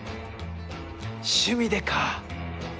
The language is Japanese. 趣味でか。